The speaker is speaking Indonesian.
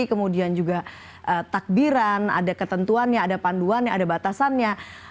kemudian juga takbiran ada ketentuannya ada panduannya ada batasannya